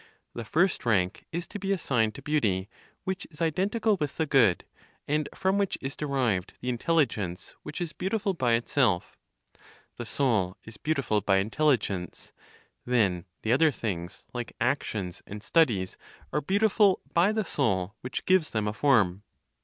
The first rank is to be assigned to beauty, which is identical with the good, and from which is derived the intelligence which is beautiful by itself. The soul is beautiful by intelligence, then, the other things, like actions, and studies, are beautiful by the soul which gives them a form.